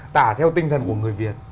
tả theo tinh thần của người việt